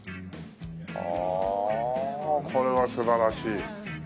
ああこれは素晴らしい。